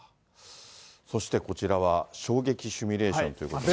そしてこちらは、衝撃シミュレーションということですが。